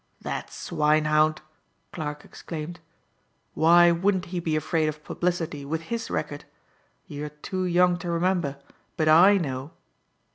"That swinehound!" Clarke exclaimed. "Why wouldn't he be afraid of publicity with his record? You're too young to remember, but I know."